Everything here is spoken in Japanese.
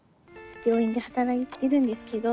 病院で働いてるんですけど。